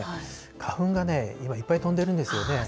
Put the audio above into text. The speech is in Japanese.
花粉がね、今、いっぱい飛んでるんですよね。